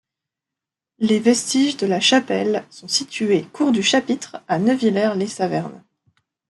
Les vestiges de la chapelle sont situés cour du Chapitre à Neuwiller-lès-Saverne.